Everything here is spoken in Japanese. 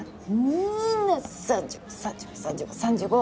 みんな３５３５３５３５。